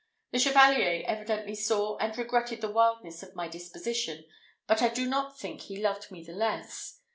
The Chevalier evidently saw and regretted the wildness of my disposition, but I do not think he loved me the less.